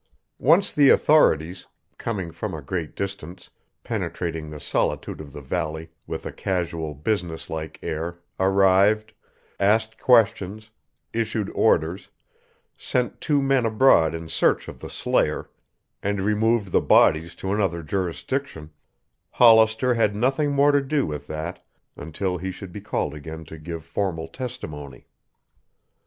Once the authorities coming from a great distance, penetrating the solitude of the valley with a casual, business like air arrived, asked questions, issued orders, sent two men abroad in search of the slayer, and removed the bodies to another jurisdiction, Hollister had nothing more to do with that until he should be called again to give formal testimony.